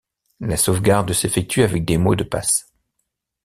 La sauvegarde s'effectue avec des mots de passe.